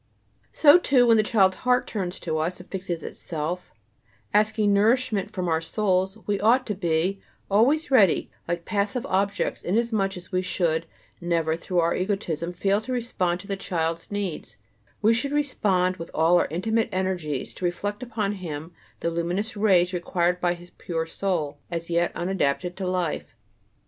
So, too, when the child's heart turns to us, and fixes itself, asking nourishment from our souls, we ought to be always ready, like passive objects, inasmuch as we should never, through our egotism, fail to respond to the child's needs; we should respond with all our intimate energies, to reflect upon him the luminous rays required by his pure soul, as yet unadapted to life.